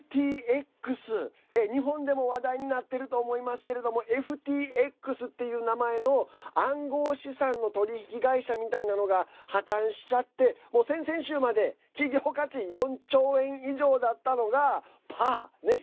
日本でも話題になっていると思いますけれどもＦＴＸっていう名前の暗号資産の取引会社みたいなのが破綻しちゃってもう先々週まで企業価値４兆円以上だったのがパー。